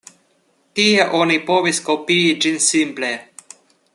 Tie oni povis kopii ĝin simple.